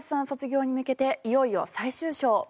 卒業に向けていよいよ最終章。